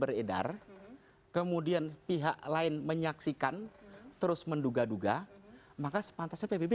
melahirkan banyak pertanyaan terutama di mata publik